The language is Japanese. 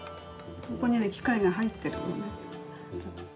ここに機械が入ってるのね。